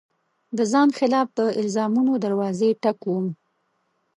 د ځان خلاف د الزامونو دروازې ټک وم